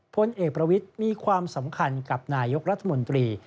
พลเอกประวิทย์มีความสำคัญกับนายกรัฐมนตรี